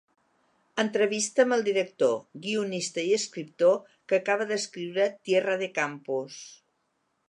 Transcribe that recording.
Entrevista amb el director, guionista i escriptor, que acaba d’escriure ‘Tierra de Campos’